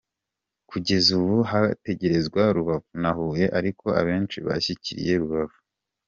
Kugeza ubu haratekerezwa Rubavu na Huye ariko abenshi bashyigikiye Rubavu, ubwo hazafawa icyemezo.